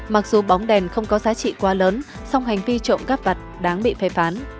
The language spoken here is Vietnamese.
mặc dù bóng đèn không có giá trị quá lớn song hành vi trộm cắp vặt đáng bị phê phán